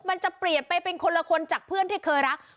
มันจะเปลี่ยนไปเป็นคนละคนจากเพื่อนที่เคยรัก